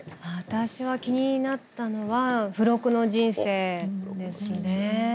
私が気になったのは「付録の人生」ですね。